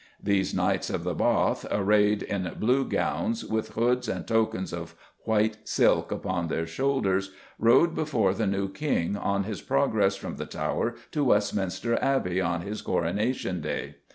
These Knights of the Bath, "arrayed in blue gowns, with hoods and tokens of white silk upon their shoulders" rode before the new King on his progress from the Tower to Westminster Abbey on his coronation day.